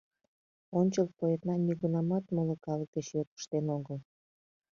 Ончыл поэтна нигунамат моло калык деч йотышнен огыл.